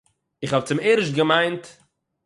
איך האָב צוערשט געמיינט